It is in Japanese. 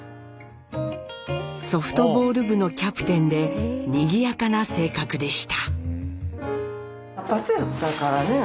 ソフトボール部のキャプテンでにぎやかな性格でした。